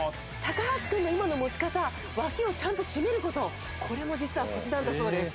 橋君の今の持ち方わきをちゃんと締める事これも実はコツなんだそうです。